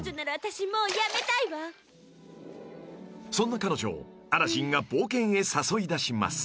［そんな彼女をアラジンが冒険へ誘い出します］